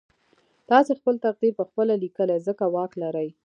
تاسې خپل تقدير پخپله ليکئ ځکه واک لرئ.